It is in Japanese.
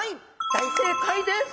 大正解です。